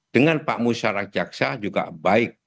dengan pak musyarak jaksa juga baik